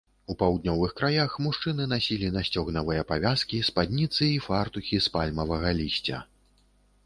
У паўднёвых краях мужчыны насілі насцёгнавыя павязкі, спадніцы і фартухі з пальмавага лісця.